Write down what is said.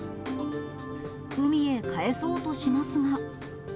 海へ帰そうとしますが。